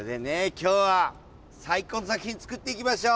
今日は最高の作品作っていきましょう！